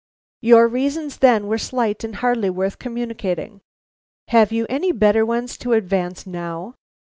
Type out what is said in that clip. Your reasons then were slight and hardly worth communicating. Have you any better ones to advance now?